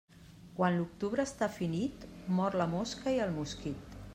Quan l'octubre està finit, mor la mosca i el mosquit.